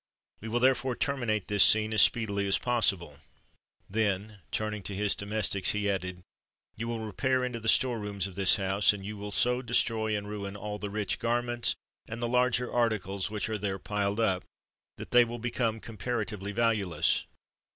We will therefore terminate this scene as speedily as possible." Then, turning to his domestics, he added, "You will repair into the store rooms of this house, and you will so destroy and ruin all the rich garments and the larger articles which are there piled up, that they will become comparatively valueless.